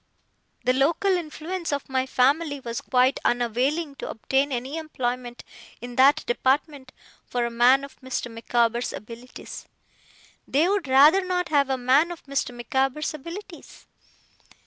The local influence of my family was quite unavailing to obtain any employment in that department, for a man of Mr. Micawber's abilities. They would rather NOT have a man of Mr. Micawber's abilities.